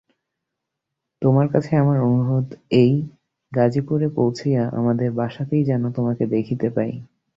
তোমার কাছে আমার অনুরোধ এই, গাজিপুরে পৌঁছিয়া আমাদের বাসাতেই যেন তোমাকে দেখিতে পাই।